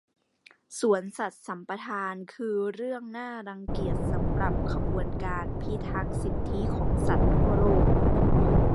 สวนสัตว์สัมปทานคือเรื่องน่ารังเกียจสำหรับขบวนการพิทักษ์สิทธิของสัตว์ทั่วโลก